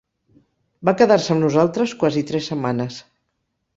Va quedar-se amb nosaltres quasi tres setmanes.